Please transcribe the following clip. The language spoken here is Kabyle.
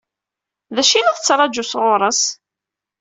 D acu i la tettṛaǧu sɣur-s?